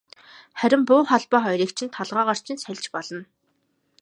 Харин буу холбоо хоёрыг чинь толгойгоор чинь сольж болно.